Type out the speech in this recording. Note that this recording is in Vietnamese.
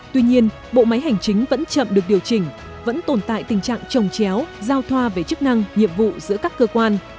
tuy nhiên bộ máy hành chính vẫn chậm được điều chỉnh vẫn tồn tại tình trạng trồng chéo giao thoa về chức năng nhiệm vụ giữa các cơ quan